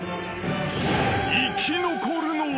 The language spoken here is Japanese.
［生き残るのは］